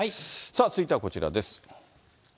続いてはこちらです。